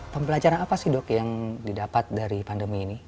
pembelajaran apa sih dok yang didapat dari pandemi ini